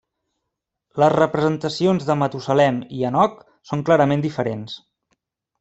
Les representacions de Matusalem i Henoc són clarament diferents.